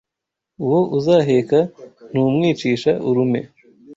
Uwo uzaheka ntumwicisha urume